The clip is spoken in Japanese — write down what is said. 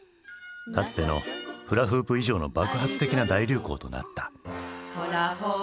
かつてのフラフープ以上の爆発的な大流行となった。